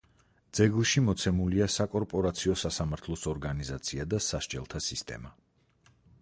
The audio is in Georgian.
ძეგლში მოცემულია საკორპორაციო სასამართლოს ორგანიზაცია და სასჯელთა სისტემა.